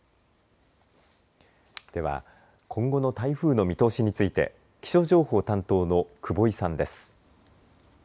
では今後の台風の見通しについて気象情報担当の久保井さんです。